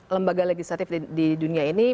lembaga legislatif di dunia ini